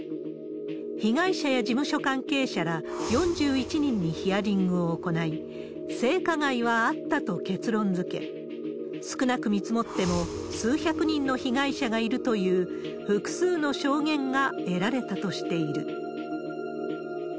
被害者や事務所関係者ら４１人にヒアリングを行い、性加害はあったと結論づけ、少なく見積もっても数百人の被害者がいるという複数の証言が得られたとしている。